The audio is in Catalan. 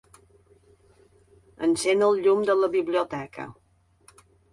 Encén el llum de la biblioteca.